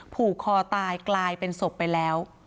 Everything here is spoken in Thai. ผูกคอตายกลายเป็นศพไปแล้ว